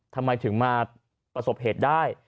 ทำไมถึงมาประสบเหตุได้